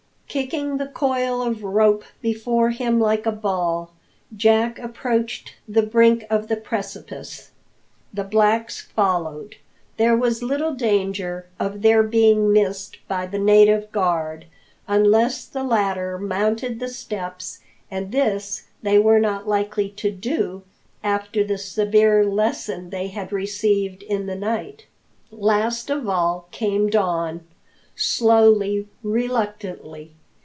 Kicking the coil of rope before him like a ball, Jack approached the brink of the precipice. The blacks followed. There was little danger of their being missed by the native guard, unless the latter mounted the steps, and this they were not likely to do after the severe lesson they had received in the night. Last of all came Don slowly, reluctantly.